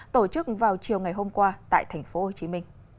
tổ chức vào chiều ngày hôm qua tại tp hcm